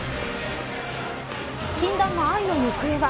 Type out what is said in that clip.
禁断の愛の行方は。